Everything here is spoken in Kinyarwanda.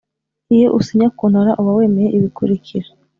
Iyo usinya kontaro uba wemeye ibikurikira